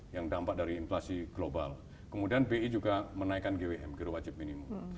yang dampak dari inflasi global kemudian bi juga menaikkan gwm gero wajib minimum